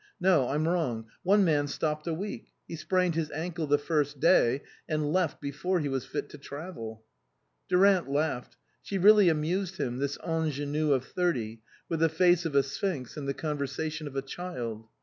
No, I'm wrong ; one man stopped a week. He sprained his ankle the first day, and left before he was fit to travel." (Durant laughed. She really amused him, this ingenue of thirty, with the face of a Sphinx and the conversation of a child.)